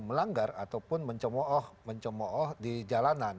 melanggar ataupun mencomooh di jalanan